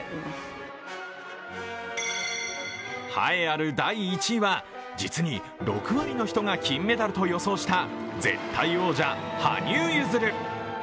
栄えある第１位は、実に６割の人が金メダルと予想した絶対王者・羽生結弦。